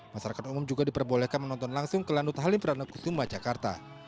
masyarakat umum juga diperbolehkan menonton langsung kelanut halim peranakus sumba jakarta